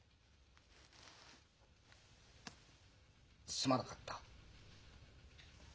すまなかった。